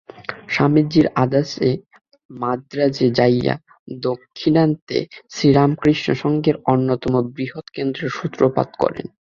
স্বামীজীর আদেশে মান্দ্রাজে যাইয়া দাক্ষিণাত্যে শ্রীরামকৃষ্ণ সঙ্ঘের অন্যতম বৃহৎ কেন্দ্রের সূত্রপাত করেন।